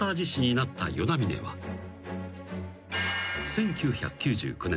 ［１９９９年。